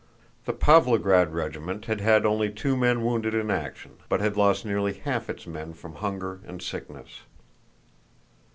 The Pávlograd regiment had had only two men wounded in action, but had lost nearly half its men from hunger and sickness.